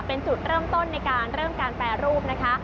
เป็นจุดเริ่มต้นในการเริ่มการแปรรูปนะคะ